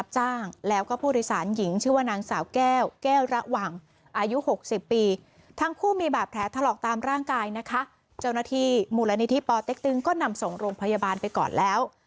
เจ้าหน้าที่มูลนิธิปอเต็กตึงก็นำส่งโรงพยาบาลไปก่อนแล้ว